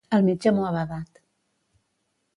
El metge m'ho ha vedat.